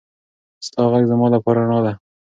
ستا غږ زما لپاره رڼا ده.